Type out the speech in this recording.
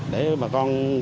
để bà con